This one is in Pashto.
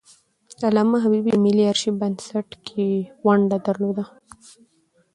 علامه حبيبي د ملي آرشیف بنسټ کې ونډه درلودله.